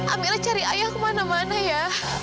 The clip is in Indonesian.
amela cari ayah kemana mana ya